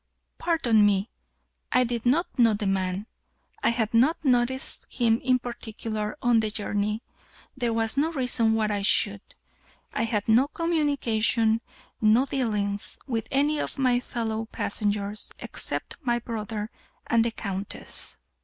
"Pardon me. I did not know the man. I had not noticed him particularly on the journey. There was no reason why I should. I had no communication, no dealings, with any of my fellow passengers except my brother and the Countess."